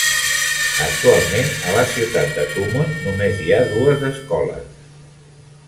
Actualment a la ciutat de Tumon només hi ha dues escoles.